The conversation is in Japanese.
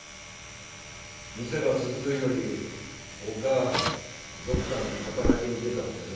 店ば続くっよりおぃがどっかに働きに出た方がよ